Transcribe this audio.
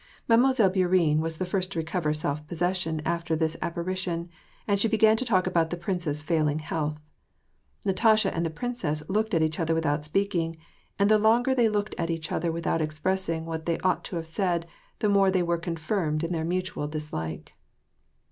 Mademoiselle Bouri enne was the first to recover self possession after this appari tion, and she began to talk about the prince's failing health. Natasha and the princess looked at each other without speaking, and the longer they looked at each other without expressing what they ought to have said, the more they were confirmed in their mutual dislike.